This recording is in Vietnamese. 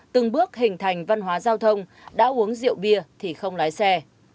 từng bước hình thành văn hóa giao thông đã uống rượu bia thì không lái xe